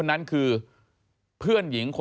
อ่า